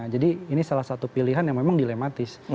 jadi ini salah satu pilihan yang memang dilematis